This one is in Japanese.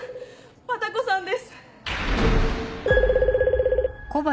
バタコさんです。